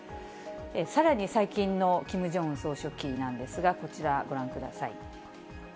さらに、最近のキム・ジョンウン総書記なんですが、こちらご覧ください。